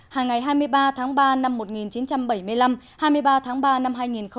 hàng ngày hai mươi ba tháng ba năm một nghìn chín trăm bảy mươi năm hai mươi ba tháng ba năm hai nghìn hai mươi